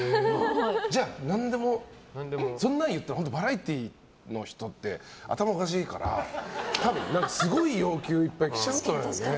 じゃあ、何でもそんなん言ったらバラエティーの人って頭おかしいから多分、すごい要求いっぱい来ちゃうだろうね。